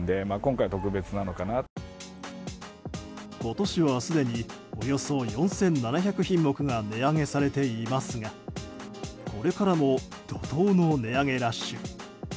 今年はすでにおよそ４７００品目が値上げされていますがこれからも怒涛の値上げラッシュ。